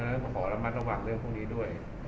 ฉะขอระมัดระวังเรื่องพวกนี้ด้วย